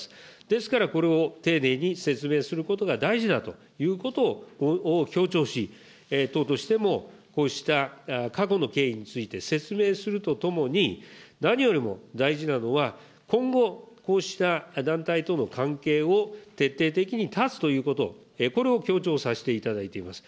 ですからこれを丁寧に説明することが大事だということを強調し、党としてもこうした過去の経緯について説明するとともに、何よりも大事なのは、今後、こうした団体との関係を徹底的に断つということ、これを強調させていただいています。